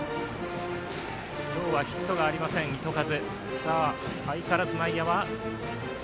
今日はヒットがありません、糸数。